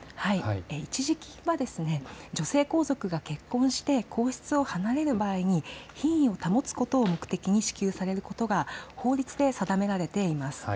一時金は女性皇族が結婚して皇室を離れる場合に品位を保つことを目的に支給されることが法律で定められています。